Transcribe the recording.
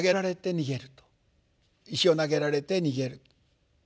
石を投げられて逃げる。